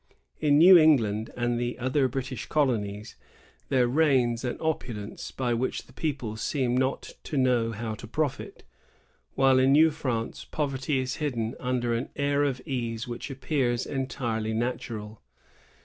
In New England and the other British colonies there reigns an opulence by which the people seem not to know how to profit; while in New France poverty is. hidden under an air of ease which appears entirely natural.